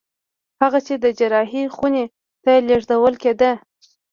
هغه چې د جراحي خونې ته لېږدول کېده